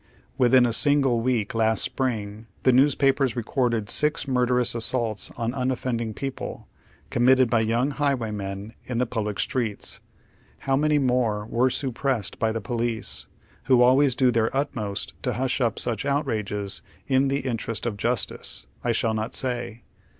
Within a single week last spring, the newspapers recorded six murderous assaults on unoffending people, committed by young high waymen in the public streets. How many more were suppressed by the police, who always do their utmost to hush up such outrages " in the interests of justice," I ehall not say.